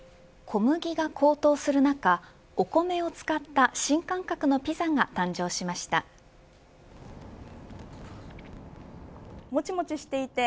小麦が高騰する中お米を使った新感覚のピザが誕生しました。